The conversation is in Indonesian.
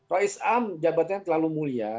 rois am jabatannya terlalu mulia